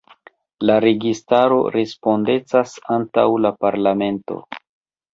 La registaro respondecas antaŭ la parlamento.